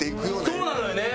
そうなのよね。